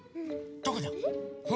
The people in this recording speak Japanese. どこだ？え？